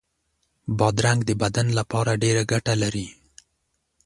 بادرنګ د بدن لپاره ډېره ګټه لري.